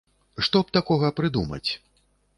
Што б такога прыдумаць?